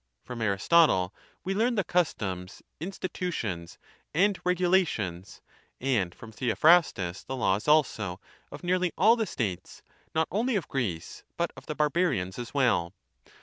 From Aristotle we learn the customs, institutions and regulations, and from Theophraslus the laws also, of nearly all ^^ the states not only of Greece but of the barbarians as well.